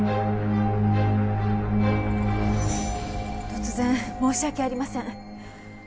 突然申し訳ありません。